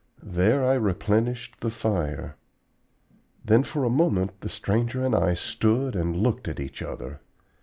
There I replenished the fire. Then for a moment the stranger and I stood and looked at each other.